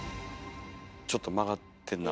ちょっと曲がってんな。